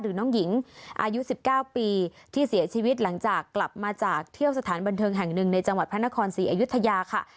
น้องหญิงอายุ๑๙ปีที่เสียชีวิตหลังจากกลับมาจากเที่ยวสถานบันเทิงแห่งหนึ่งในจังหวัดพระนครศรีอยุธยาค่ะ